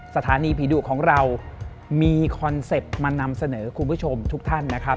สถานีผีดุของเรามีคอนเซ็ปต์มานำเสนอคุณผู้ชมทุกท่านนะครับ